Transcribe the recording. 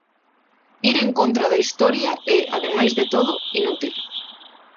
Ir en contra da historia é, ademais de todo, inútil.